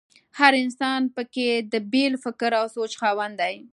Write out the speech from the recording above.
هر انسان په کې د بېل فکر او سوچ خاوند وي.